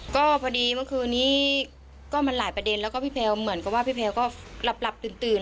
ก็พอดีเมื่อคืนนี้ก็มันหลายประเด็นแล้วก็พี่แพลวเหมือนกับว่าพี่แพลวก็หลับตื่น